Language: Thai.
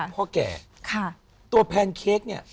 พ่อแก่ตัวแพนเค้กเนี่ย